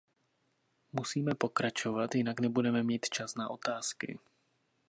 Musíme pokračovat, jinak nebudeme mít čas na otázky.